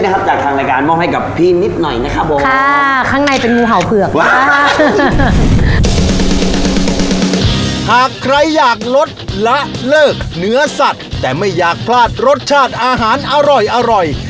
หากใครอยากลดละเลิกเนื้อสัตว์แต่ไม่อยากพลาดรสชาติอาหารอร่อย